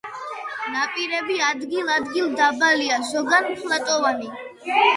ნაპირები ადგილ-ადგილ დაბალია, ზოგან ფლატოვანი.